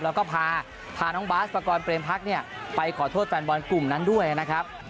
แล้วก็พาน้องบาสปากรเปรมพักเนี่ยไปขอโทษแฟนบอลกลุ่มนั้นด้วยนะครับ